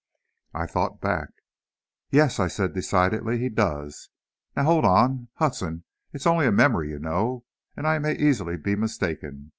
I thought back. "Yes," I said, decidedly, "he does! Now, hold on, Hudson, it's only a memory, you know, and I may easily be mistaken.